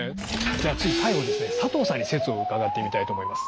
じゃあ次最後にですね佐藤さんに説を伺ってみたいと思います。